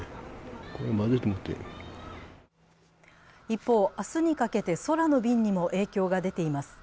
一方、明日にかけて、空の便にも影響が出ています。